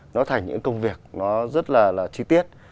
nó thành những công việc nó rất là chi tiết